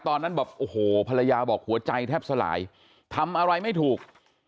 ตอนนั้นแบบโอ้โหภรรยาบอกหัวใจแทบสลายทำอะไรไม่ถูก